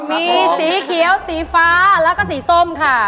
มีสีเขียวสีฟ้าแล้วก็สีส้มค่ะ